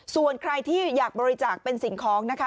ส่วนใครที่อยากบริจาคเป็นสิ่งของนะคะ